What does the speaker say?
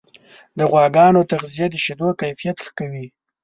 د غواګانو تغذیه د شیدو کیفیت ښه کوي.